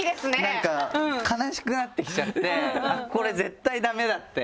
なんか悲しくなってきちゃってこれ絶対駄目だって。